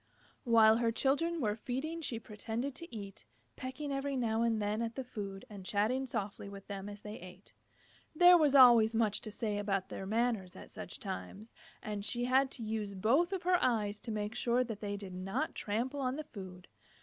While her children were feeding she pretended to eat, pecking every now and then at the food, and chatting softly with them as they ate. There was always much to say about their manners at such times, and she had to use both of her eyes to make sure that they did not trample on the food.